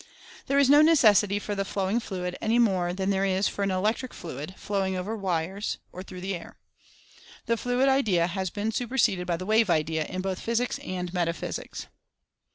There is no necessity for the flowing "fluid" any more than there is for an "electric fluid" flowing over the wires, or through the air. The "fluid" idea has been superseded by the "wave" idea, in both physics and metaphysics.